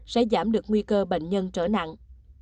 nhưng không được nguy cơ bệnh nhân trở nặng